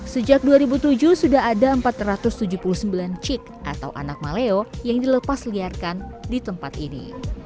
sejak dua ribu tujuh sudah ada empat ratus tujuh puluh sembilan cik atau anak maleo yang dilepas liarkan di tempat ini